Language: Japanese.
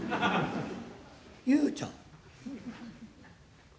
幽ちゃん？」。